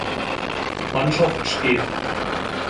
Mannschaft steht.